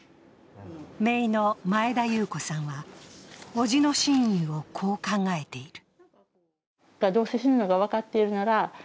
めいの前田優子さんはおじの真意をこう考えている。